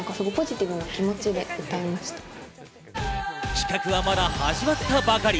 企画はまだ始まったばかり。